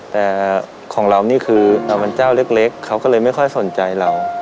แต่ของเรานี่คือเราเป็นเจ้าเล็กเขาก็เลยไม่ค่อยสนใจเรา